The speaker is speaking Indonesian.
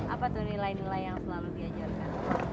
apa tuh nilai nilai yang selalu diajarkan